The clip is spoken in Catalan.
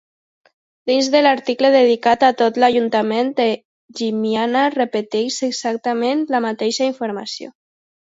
Dins de l'article dedicat a tot l'ajuntament de Llimiana repeteix exactament la mateixa informació.